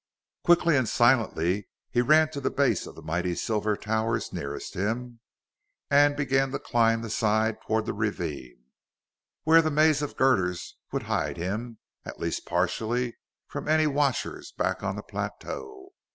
Quickly and silently he ran to the base of the mighty silver towers nearest him and began to climb the side toward the ravine, where the maze of girders would hide him, at least partially, from any watchers back on the plateau.